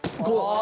あ。